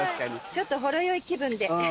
ちょっとほろ酔い気分で。